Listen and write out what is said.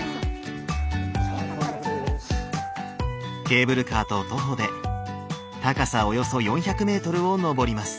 ケーブルカーと徒歩で高さおよそ４００メートルを登ります。